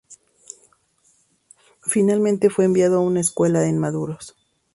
Finalmente fue enviado a una escuela en Maduros.